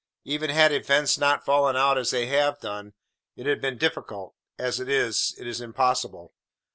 Even had events not fallen out as they have done, it had been difficult; as it is, it is impossible."